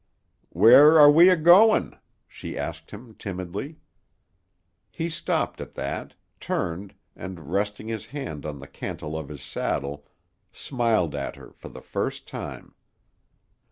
"Where are we a goin'?" she asked him timidly. He stopped at that, turned, and, resting his hand on the cantle of his saddle, smiled at her for the first time.